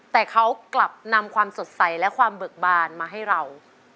แต่เขากลับนำความสดใสและความเบิกบานมาให้เรา